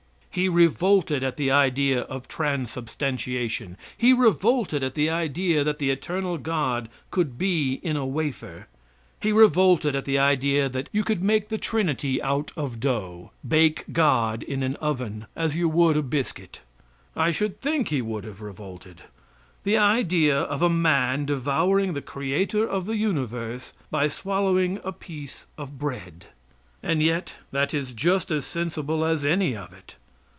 He revolted at the idea of transubstantiation; he revolted at the idea that the eternal God could be in a wafer. He revolted at the idea that you could make the Trinity out of dough bake God in an oven as you would a biscuit. I should think he would have revolted. The idea of a man devouring the creator of the universe by swallowing a piece of bread. And yet that is just as sensible as any of it.